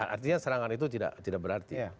artinya serangan itu tidak berarti